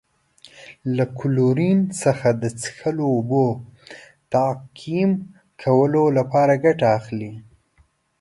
له کلورین څخه د څښلو اوبو تعقیم کولو لپاره ګټه اخلي.